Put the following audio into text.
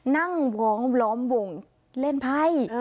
นั่งพร้อมล้อมวงเล่นไพ่